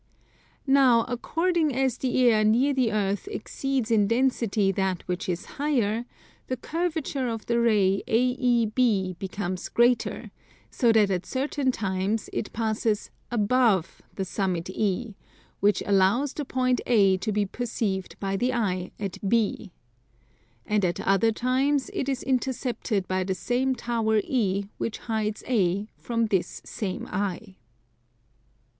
Now according as the air near the Earth exceeds in density that which is higher, the curvature of the ray AEB becomes greater: so that at certain times it passes above the summit E, which allows the point A to be perceived by the eye at B; and at other times it is intercepted by the same tower E which hides A from this same eye.